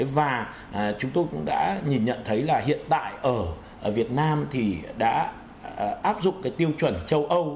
và chúng tôi cũng đã nhìn nhận thấy là hiện tại ở việt nam thì đã áp dụng cái tiêu chuẩn châu âu